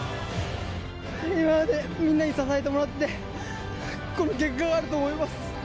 今までみんなに支えてもらって、この結果があると思います。